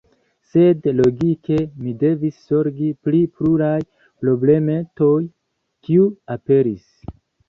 Sed logike mi devis zorgi pri pluraj problemetoj, kiuj aperis.